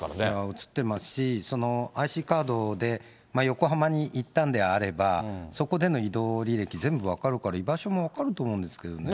写ってますし、ＩＣカードで横浜に行ったんであれば、そこでの移動履歴全部分かるから、居場所も分かると思うんですけどね。